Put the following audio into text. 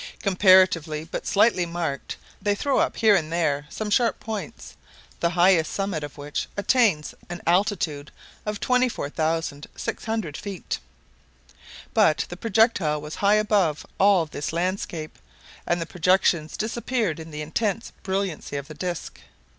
Comparatively but slightly marked, they throw up here and there some sharp points, the highest summit of which attains an altitude of 24,600 feet. But the projectile was high above all this landscape, and the projections disappeared in the intense brilliancy of the disc.